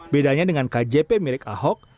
bedanya dengan kjp milik ahok